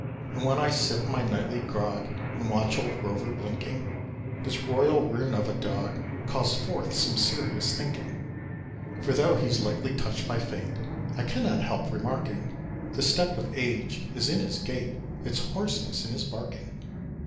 And when I sip my nightly grog, And watch old Rover blinking, This royal ruin of a dog Calls forth some serious thinking. For, though he's lightly touched by Fate, I cannot help remarking The step of age is in his gait, Its hoarseness in his barking.